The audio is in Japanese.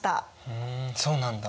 ふんそうなんだ。